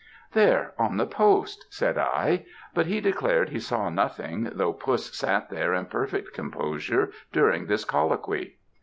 "'There on the post,' said I, but he declared he saw nothing, though puss sat there in perfect composure during this colloquy.